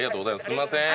すみません。